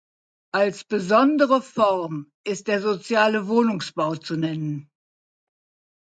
Als besondere Form ist der Soziale Wohnungsbau zu nennen.